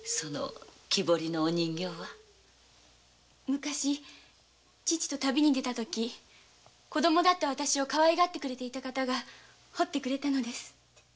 昔父と旅に出た時子供だった私をかわいがってくれていた方が彫ってくれたのです。